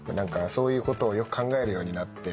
そういうことをよく考えるようになって。